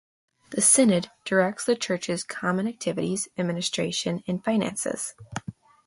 The Synod directs the Church's common activities, administration, and finances.